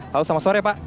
halo selamat sore pak